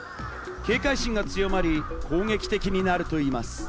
警戒心が強まり、攻撃的になるといいます。